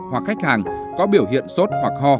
hoặc khách hàng có biểu hiện sốt hoặc ho